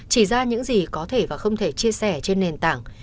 chỉ ra những gì có thể và không thể chia sẻ trên nền tảng